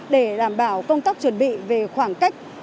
để đảm bảo công tác chuẩn bị về khoảng cách